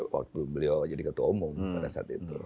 waktu beliau jadi ketua umum pada saat itu